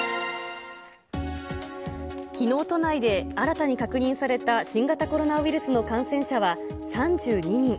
きのう、都内で新たに確認された新型コロナウイルスの感染者は３２人。